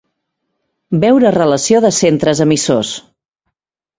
Veure relació de centres emissors.